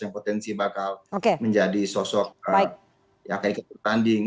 yang potensi bakal menjadi sosok yang akan kita pertanding